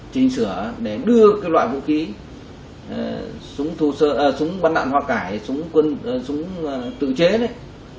trình sửa để đưa cái loại vũ khí súng bắn đạn hoa cải súng tự chế đấy